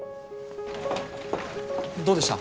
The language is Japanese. どうでした？